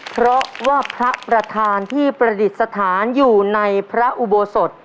เพราะว่าพระประธานที่ประดิษฐานอยู่ในพระอุโบสถ